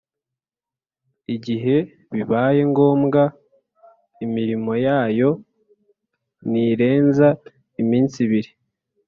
igihe bibaye ngombwa ; imirimo yayo ntirenza iminsi ibiri